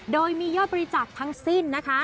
โดยมียอดบริจาคทั้งสิ้นนะคะ